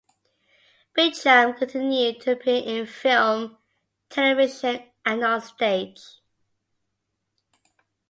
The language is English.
Beacham continued to appear in film, television and on stage.